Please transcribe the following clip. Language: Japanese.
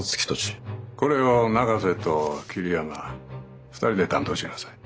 これを永瀬と桐山二人で担当しなさい。